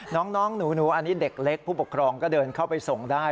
น้องหนูอันนี้เด็กเล็กผู้ปกครองก็เดินเข้าไปส่งได้